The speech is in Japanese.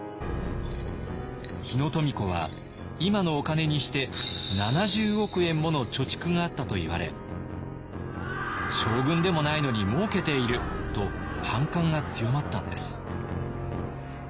日野富子は今のお金にして７０億円もの貯蓄があったといわれ将軍でもないのにもうけていると反感が強まったのです。